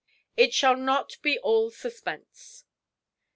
'IT SHALL NOT BE ALL SUSPENSE.'